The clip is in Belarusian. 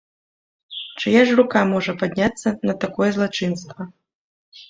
Чыя ж рука можа падняцца на такое злачынства?